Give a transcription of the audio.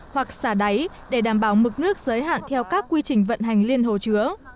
hoặc xả đáy để đảm bảo mực nước giới hạn theo các quy trình vận hành liên hồ chứa